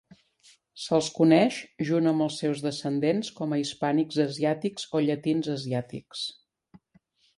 Se'ls coneix, junt amb els seus descendents, com a hispànics asiàtics o llatins asiàtics.